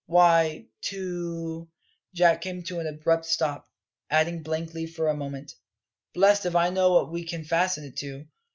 Why, to " Jack came to an abrupt stop, adding blankly after a moment: "Blest if I know what we can fasten it to!"